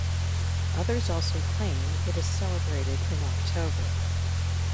Others also claim it is celebrated in October.